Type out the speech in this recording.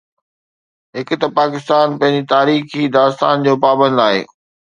هڪ ته پاڪستان پنهنجي تاريخي داستان جو پابند آهي.